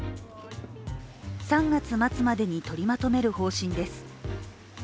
３月末までに取りまとめる方針です。